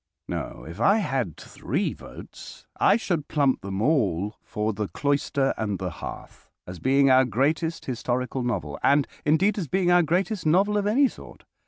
No, if I had three votes, I should plump them all for "The Cloister and the Hearth," as being our greatest historical novel, and, indeed, as being our greatest novel of any sort.